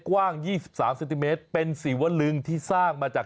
กว้าง๒๓เซนติเมตรเป็นศิวลึงที่สร้างมาจาก